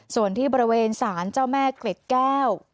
ส่วนที่บริเวณศาลเจ้าแม่เกล็ดแก้ว